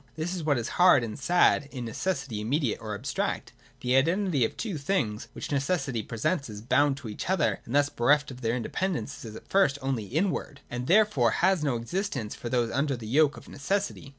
This is what is hard and sad in necessity immediate or abstract. The identity of the two things, which necessity presents as bound to each other and thus bereft of their independence, is at first only inward, and therefore has no existence for those under the yoke of necessity.